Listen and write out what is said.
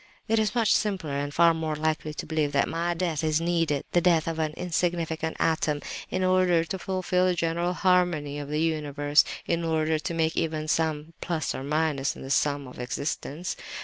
"It is much simpler, and far more likely, to believe that my death is needed—the death of an insignificant atom—in order to fulfil the general harmony of the universe—in order to make even some plus or minus in the sum of existence.